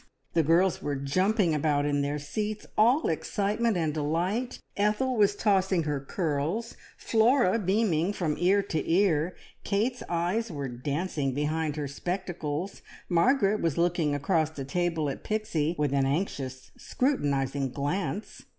The girls were jumping about in their seats, all excitement and delight. Ethel was tossing her curls, Flora beaming from ear to ear, Kate's eyes were dancing behind her spectacles, Margaret was looking across the table at Pixie with an anxious, scrutinising glance.